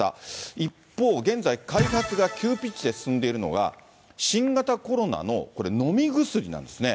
一方、現在、開発が急ピッチで進んでいるのが、新型コロナのこれ、飲み薬なんですね。